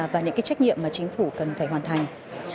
và những cái trách nhiệm mà chính phủ cần phải hoàn thành